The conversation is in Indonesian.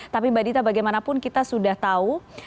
tapi mbak dita bagaimanapun kita sudah tahu